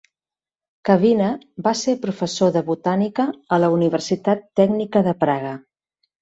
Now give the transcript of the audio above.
Kavina va ser professor de botànica a la Universitat Tècnica de Praga.